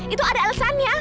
itu ada alasannya